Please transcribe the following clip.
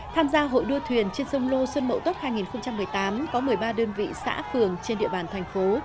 tham gia hội đua thuyền trên sông lô xuân mậu tốt hai nghìn một mươi tám có một mươi ba đơn vị xã phường trên địa bàn thành phố